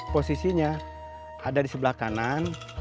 posisinya ada di sebelah kanan